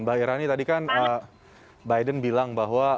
mbak irani tadi kan biden bilang bahwa